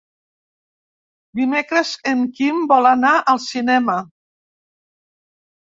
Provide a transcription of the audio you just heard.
Dimecres en Quim vol anar al cinema.